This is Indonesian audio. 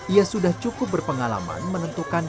ia sudah cukup berpengalaman menentukan